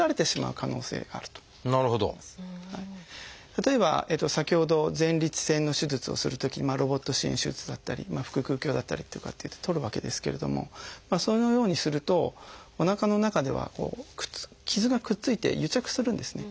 例えば先ほど前立腺の手術をするときロボット支援手術だったり腹腔鏡だったりとかっていって取るわけですけれどもそのようにするとおなかの中では傷がくっついて癒着するんですね。